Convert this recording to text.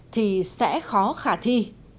thì sẽ khó khả thi